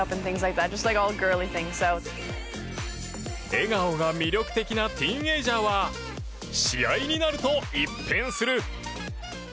笑顔が魅力的なティーンエイジャーは試合になると一変する。